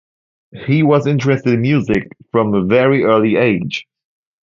He was interested in music from a very early age.